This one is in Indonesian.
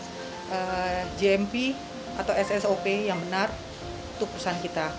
smp atau ssop yang benar untuk perusahaan kita